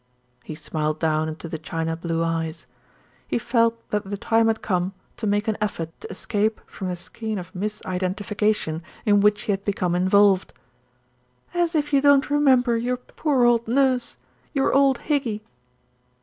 He smiled down into the china blue eyes. He felt that the time had come to make an effort to escape from the skein of mis identification in which he had become involved. "As if you don't remember your poor old nurse, your old Higgy."